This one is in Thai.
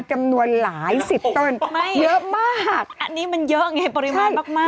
จำนวนหลายสิบต้นเยอะมากอันนี้มันเยอะไงปริมาณมากมาก